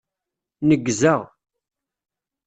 Neggzeɣ.